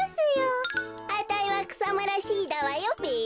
あたいはくさむらＣだわよべ。